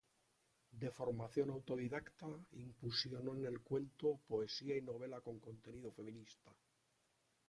De formación autodidacta, incursionó en el cuento, poesía y novela con contenido feminista.